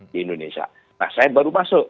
di indonesia nah saya baru masuk